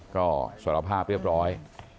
ก็สารภาพเรียบร้อย